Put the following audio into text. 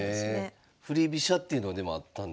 振り飛車っていうのはでもあったんですね。